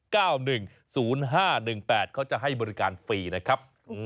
เขาจะให้บริการฟรีนะครับ